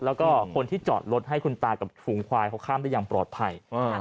แล้วก็คนที่จอดรถให้คุณตากับฝูงควายเขาข้ามได้อย่างปลอดภัย